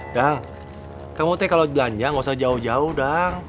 dah kamu teh kalau belanja nggak usah jauh jauh dah